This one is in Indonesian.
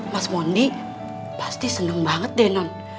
mas mondi pasti seneng banget deh non